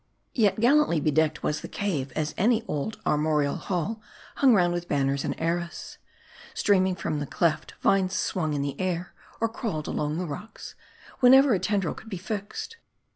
Yet gallantly bedecked was the cave, as any old armorial hall hung round with banners and arras. Streaming from the cleft, vines swung in the air ; or crawled along the rocks, wherever a tendril could be fixed.